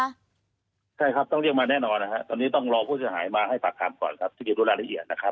ใช่ครับต้องเรียกมาแน่นอนนะคะตอนนี้ต้องรอผู้เสียหายมาให้ฝากคำก่อนครับ